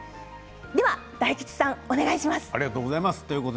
では大吉さん、お願いします。